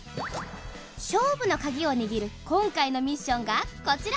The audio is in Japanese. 勝負のカギを握る今回のミッションがこちら。